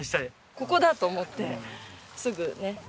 ここだ！と思ってすぐね。